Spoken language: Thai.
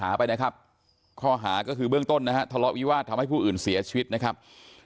ไปนะครับข้อหาก็คือเบื้องต้นนะฮะทะเลาะวิวาสทำให้ผู้อื่นเสียชีวิตนะครับ